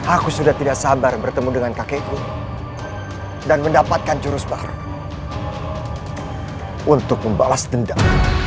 aku sudah tidak sabar bertemu dengan kakekku dan mendapatkan jurus baru untuk membalas dendam